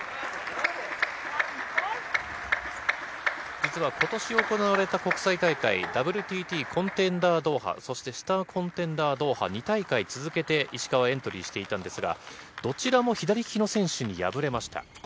実はことし行われた国際大会、ＷＴＴコンテンダードーハ、そしてスターコンテンダードーハ、２大会続けて石川、エントリーしていたんですが、どちらも左利きの選手に敗れました。